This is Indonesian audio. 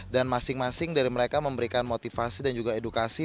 dan masing masing dari mereka memberikan motivasi dan juga edukasi